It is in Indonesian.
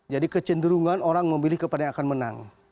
jadi kecenderungan orang memilih kepada yang akan menang